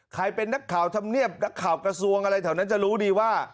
ใครเป็นนักข่าวธรรมเนียบนักข่าวกระทรวงอะไรแถวนั้นจะรู้ดีว่า